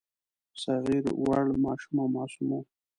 صغیر وړ، ماشوم او معصوم وو.